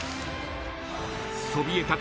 ［そびえ立つ